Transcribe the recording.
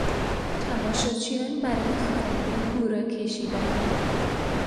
تماشاچیان برای خواننده هورا کشیدند.